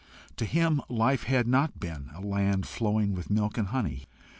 To him life had not been a land flowing with milk and honey.